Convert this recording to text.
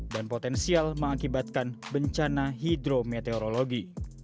dan potensial mengakibatkan bencana hidrometeorologi